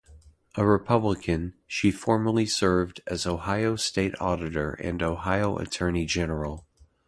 A Republican, she formerly served as Ohio State Auditor and Ohio Attorney General.